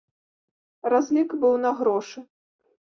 Разлік быў на грошы.